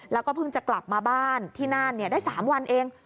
แล้วก็เพิ่งจะกลับมาบ้านที่น่านได้๓วันเอง